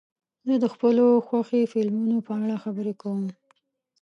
زه د خپلو خوښې فلمونو په اړه خبرې کوم.